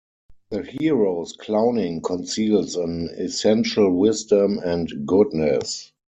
The hero's clowning conceals an essential wisdom and goodness.